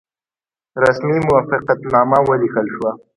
رسمي موافقتنامه ولیکل شوه.